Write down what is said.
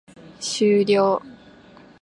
終了